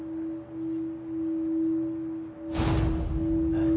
えっ。